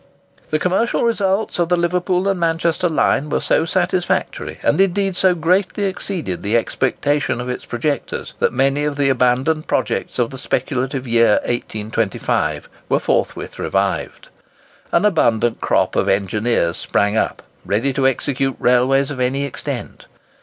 The commercial results of the Liverpool and Manchester line were so satisfactory, and indeed so greatly exceeded the expectations of its projectors, that many of the abandoned projects of the speculative year 1825 were forthwith revived. An abundant crop of engineers sprang up, ready to execute railways of any extent.